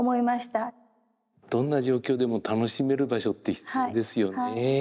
どんな状況でも楽しめる場所って必要ですよね。